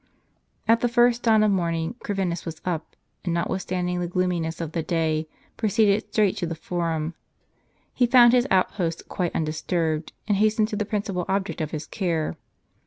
, T the first dawn of morning, Corvinus was up ; and, notwithstanding the gloominess of the day, proceeded straight to the Fornm. He found his outposts quite undisturbed, and hastened to the principal object of his care.